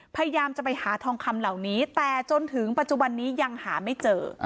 พยายามจะไปหาทองคำเหล่านี้แต่จนถึงปัจจุบันนี้ยังหาไม่เจอ